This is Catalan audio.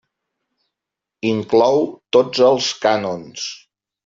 Inclou tots els cànons.